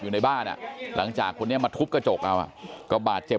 อยู่ในบ้านอ่ะหลังจากคนนี้มาทุบกระจกเอาก็บาดเจ็บ